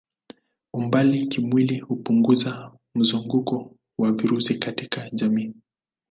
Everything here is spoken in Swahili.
Umbali kimwili hupunguza mzunguko wa virusi katika jamii.